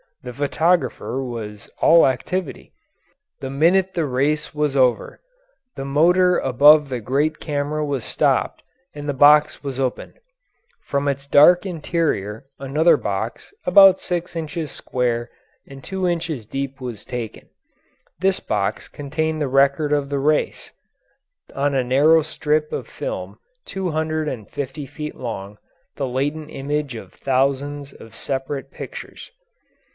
The photographer was all activity. The minute the race was over the motor above the great camera was stopped and the box was opened. From its dark interior another box about six inches square and two inches deep was taken: this box contained the record of the race, on a narrow strip of film two hundred and fifty feet long, the latent image of thousands of separate pictures.